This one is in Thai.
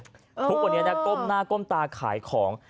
ทุกวันนี้นะก้มหน้าก้มตาขายของ